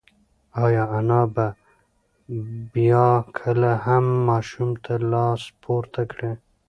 ایا انا به بیا کله هم ماشوم ته لاس پورته کړي؟